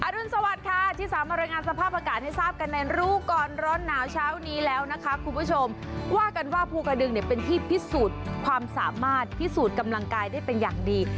รุนสวัสดิ์ค่ะที่สามารถรายงานสภาพอากาศให้ทราบกันในรู้ก่อนร้อนหนาวเช้านี้แล้วนะคะคุณผู้ชมว่ากันว่าภูกระดึงเนี่ยเป็นที่พิสูจน์ความสามารถพิสูจน์กำลังกายได้เป็นอย่างดี